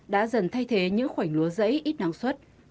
đã dần thay thế những khoảnh lúa dẫy ít năng suất